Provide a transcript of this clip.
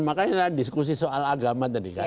makanya saya diskusi soal agama tadi kan